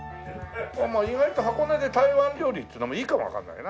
意外と箱根で台湾料理っていうのもいいかもわかんないな。